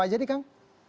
aja nih kang